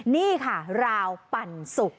นี่ค่ะราวปั่นสุก